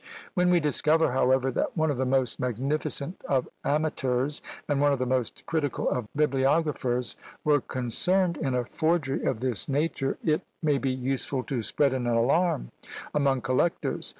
When we discover, however, that one of the most magnificent of amateurs, and one of the most critical of bibliographers, were concerned in a forgery of this nature, it may be useful to spread an alarm among collectors.